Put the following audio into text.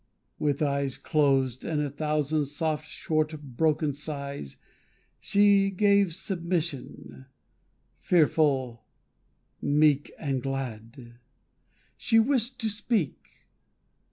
With eyes Closed, and a thousand soft short broken sighs, She gave submission; fearful, meek, and glad.... She wished to speak.